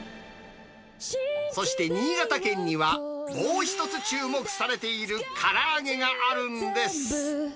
そして新潟県には、もう１つ注目されているから揚げがあるんです。